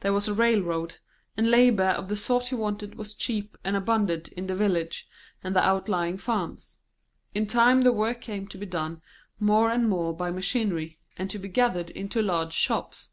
There was a railroad, and labour of the sort he wanted was cheap and abundant in the village and the outlying farms. In time the work came to be done more and more by machinery, and to be gathered into large shops.